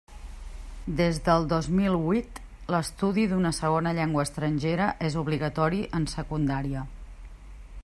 Des del dos mil huit, l'estudi d'una segona llengua estrangera és obligatori en Secundària.